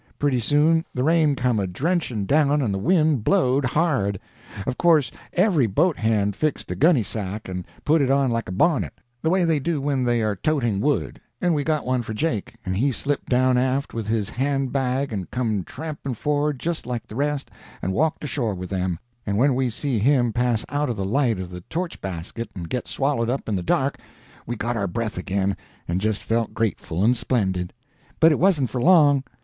Pretty soon the rain come a drenching down, and the wind blowed hard. Of course every boat hand fixed a gunny sack and put it on like a bonnet, the way they do when they are toting wood, and we got one for Jake, and he slipped down aft with his hand bag and come tramping forrard just like the rest, and walked ashore with them, and when we see him pass out of the light of the torch basket and get swallowed up in the dark, we got our breath again and just felt grateful and splendid. But it wasn't for long.